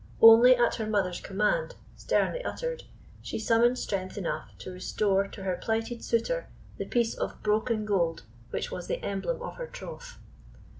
Only at her mother's command, sternly uttered, she summoned strength enough to restore to her plighted suitor the piece of broken gold which was the emblem of her troth.